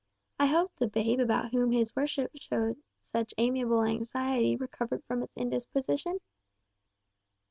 "I hope the babe about whom his worship showed such amiable anxiety recovered from its indisposition?"